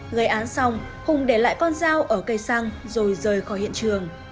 gây án xong hùng để lại con dao ở cây xăng rồi rời khỏi hiện trường